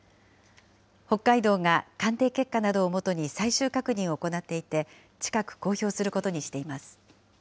北海道が鑑定結果などをもとに最終確認を行っていて、近く公表することにしています。